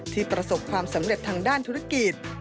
ประสบความสำเร็จทางด้านธุรกิจ